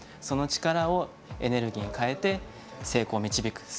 その力をエネルギーに変えて成功に導く。